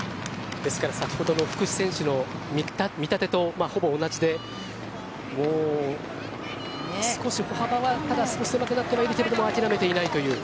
ですから先ほどの福士選手の見立てとほぼ同じで、もう少し歩幅が狭くなっているけれども諦めていないという。